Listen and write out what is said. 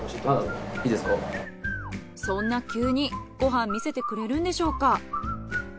そんな急にご飯見せてくれるんでしょうか？